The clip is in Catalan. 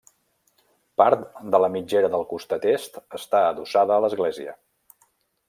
Part de la mitgera del costat Est està adossada a l'església.